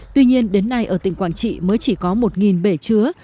tuy nhiên đến nay ở tỉnh quảng trị mới chỉ có một bể chứa